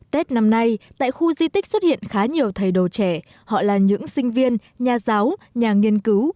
tết năm nay tại khu di tích xuất hiện khá nhiều thầy đồ trẻ họ là những sinh viên nhà giáo nhà nghiên cứu